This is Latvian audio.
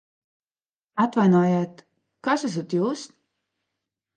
Atvainojiet, kas esat jūs?